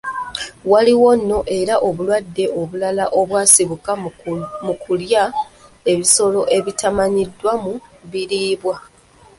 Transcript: Waliwo nno era obulwadde obulala obwasibuka mu kulya ebisolo ebitamanyiddwa mu biriibwa.